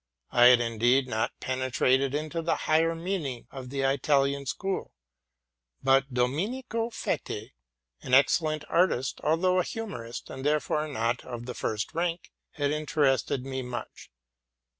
I had, indeed, not penetrated into the higher meaning of thie Italian school; but Dominico Feti, an excellent artist, although a humorist, and therefore not of the first rank, had interested me much.